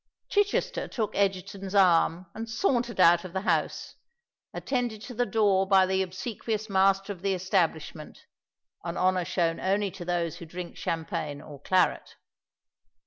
Chichester took Egerton's arm, and sauntered out of the house, attended to the door by the obsequious master of the establishment—an honour shown only to those who drink champagne or claret.